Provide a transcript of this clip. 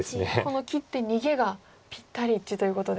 この切って逃げがぴったり一致ということで。